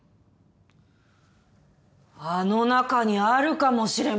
あの中にあるかもしれませんよ